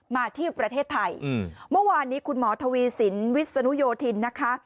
มาที่ประเทศไทยเมื่อวานนี้คุณหมอทวีสินวิศนุโยธินนะคะ